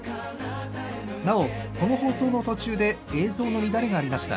なお、この放送の途中で映像の乱れがありました。